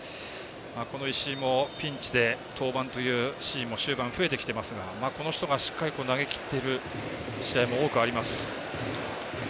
この石井もピンチで登板というシーンも終盤、増えてきていますがこの人がしっかり投げきっている試合も多くあります。